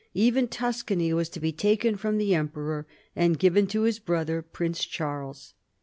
Even Tuscany was to be taken from the emperor, and given to his brother Prince Charles.